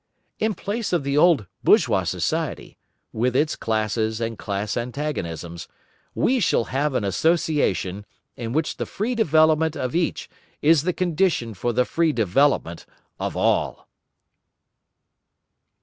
In place of the old bourgeois society, with its classes and class antagonisms, we shall have an association, in which the free development of each is the condition for the free development of all.